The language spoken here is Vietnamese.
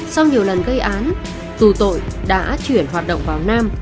sau nhiều lần gây án tù tội đã chuyển hoạt động vào nam